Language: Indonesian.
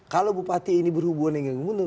kalau bupati ini berhubungan dengan gubernur